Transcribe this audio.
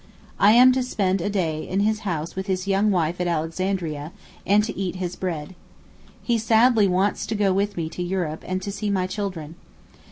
I am to spend a day in his house with his young wife at Alexandria, and to eat his bread. He sadly wants to go with me to Europe and to see my children.